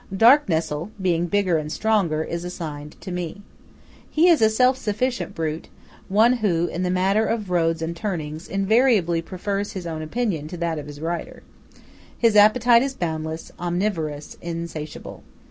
Dark Nessol, being bigger and stronger, is assigned to me. He is a self sufficient brute; one who, in the matter of roads and turnings, invariably prefers his own opinion to that of his rider. His appetite is boundless, omnivorous, insatiable.